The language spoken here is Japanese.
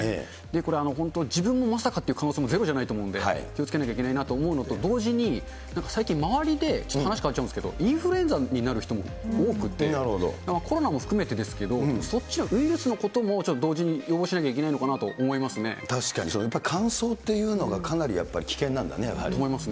これ、本当、自分もまさかっていう可能性もゼロじゃないと思うんで、気をつけなきゃいけないなと思うのと同時に、最近、周りで、ちょっと話変わっちゃうんですけれども、インフルエンザになる人が多くて、コロナも含めてですけど、そっち、ウイルスのこともちょっと同時に予防しなきゃいけないのかなと思確かに、乾燥というのがかなと思いますね。